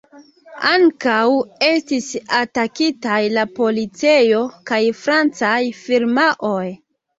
Ankaŭ estis atakitaj la policejo kaj francaj firmaoj.